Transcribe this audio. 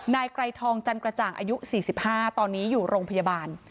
นายไกรทองจันกระจ่างอายุ๔๕ตอนนี้อยู่โรงพยาบาล